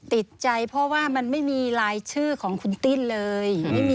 ติดใจเพราะว่ามันไม่มีลายชื่อของคุณติ้นเลย